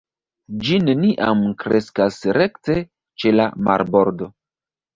Ĝi neniam kreskas rekte ĉe la marbordo.